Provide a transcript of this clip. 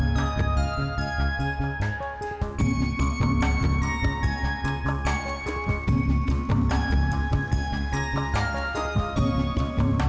gw tuh gak tau